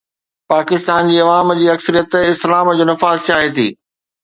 پاڪستان جي عوام جي اڪثريت اسلام جو نفاذ چاهي ٿي.